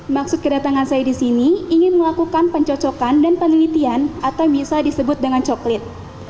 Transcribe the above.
maksud kedatangan saya di sini ingin melakukan pencocokan dan penelitian atau bisa disebut dengan coklit